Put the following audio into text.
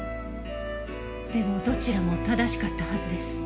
でもどちらも正しかったはずです。